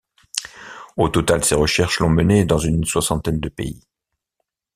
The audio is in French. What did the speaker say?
Au total, ses recherches l’ont mené dans une soixantaine de pays.